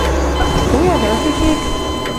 Стоя вӓл тӹ кек?»